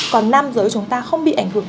còn nam giới chúng ta không bị ảnh hưởng